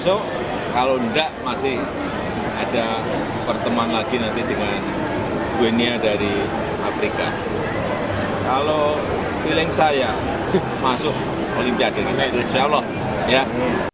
jokowi bilang masih optimis karena dengan kekuatan maksimal di prediksi timnas bisa merebut juara tiga dan mendapat tiket menuju olimpiade paris dua ribu dua puluh empat